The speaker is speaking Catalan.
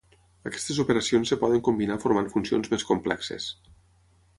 Aquestes operacions es poden combinar formant funcions més complexes.